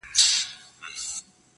د تورو سترگو وه سورخۍ ته مي~